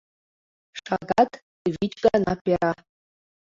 Шагат вич гана пера.